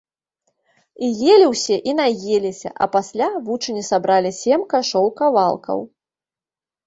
І елі ўсе і наеліся, а пасля вучні сабралі сем кашоў кавалкаў.